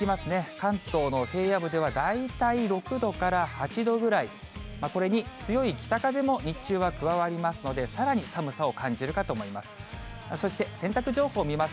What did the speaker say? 関東の平野部では大体６度から８度ぐらい、これに強い北風も日中は加わりますので、さらに寒さを感じるかと思います。